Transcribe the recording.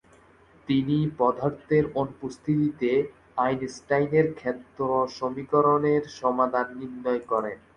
তিনি পদার্থের অনুপস্থিতিতে আইনস্টাইনের ক্ষেত্র সমীকরণের সমাধান নির্ণয় করেন।